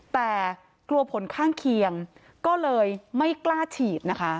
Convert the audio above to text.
แต่กลัวผลข้างเคียงก็เลยไม่กล้าฉีดนะคะ